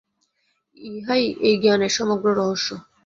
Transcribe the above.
ইহাই এই জ্ঞানের সমগ্র রহস্য।